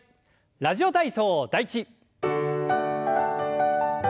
「ラジオ体操第１」。